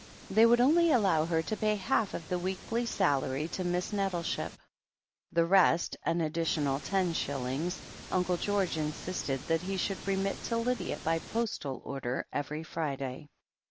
They would only allow her to pay half of the weekly salary to Miss Nettleship. The rest — ^an additional ten shillings — Uncle George insisted that he should remit to Lydia by postal order every Friday.